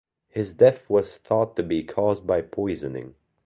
His death was thought to be caused by poisoning.